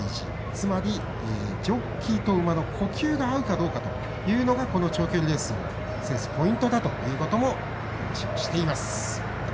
つまり、ジョッキーと馬の呼吸が合うかどうかというのがこの長距離レースを制すポイントだとも話をしています。